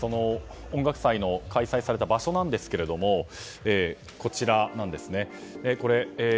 その音楽祭の開催された場所ですが、こちらなんですね。